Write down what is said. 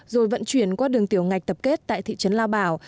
rồi vận chuyển qua đường tiểu ngạch tập kết tại thị trấn lao bảo